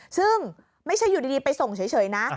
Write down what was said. ซึ่งไม่ใช่อยู่ดีไปส่งเฉยนะ